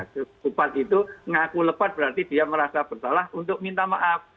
sekupat itu ngaku lepat berarti dia merasa bersalah untuk minta maaf